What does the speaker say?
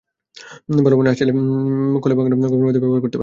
ভালো মানের আঁশ চাইলে কলে ভাঙানো গমের ময়দা ব্যবহার করতে পারেন।